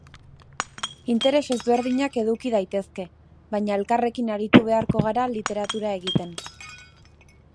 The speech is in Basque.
Interes ezberdinak eduki daitezke, baina elkarrekin aritu beharko gara literatura egiten.